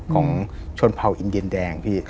ของชนเผาอินเดียนแดง